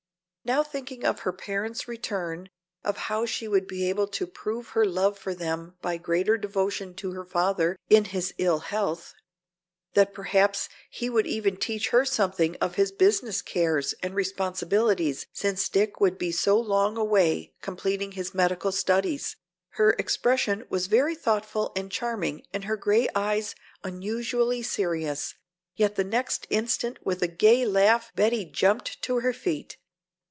Now thinking of her parents return, of how she would be able to prove her love for them by greater devotion to her father in his ill health; that perhaps he would even teach her something of his business cares and responsibilities since Dick would be so long away completing his medical studies, her expression was very thoughtful and charming and her gray eyes unusually serious. Yet the next instant with a gay laugh Betty jumped to her feet.